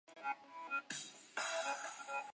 沼泽侧颈龟属是一个单种属。